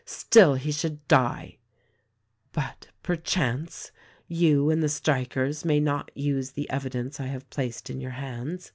Still he should die ! "But, perchance, you and the strikers may not use the evidence I have placed in your hands.